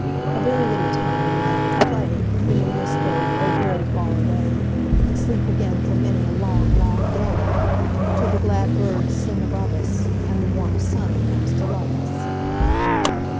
"A very little time we have to play, Then must we go, oh, very far away, And sleep again for many a long, long day, Till the glad birds sing above us, And the warm sun comes to love us.